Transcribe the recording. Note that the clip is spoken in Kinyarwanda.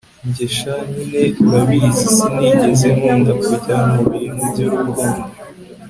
Njye sha nyine urabizi sinigeze nkunda kujya mu bintu byurukundo